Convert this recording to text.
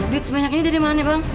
duit sebanyak ini dari mana bang